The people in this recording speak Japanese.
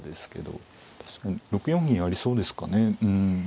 確かに６四銀ありそうですかね。